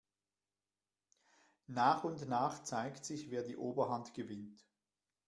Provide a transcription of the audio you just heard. Nach und nach zeigt sich, wer die Oberhand gewinnt.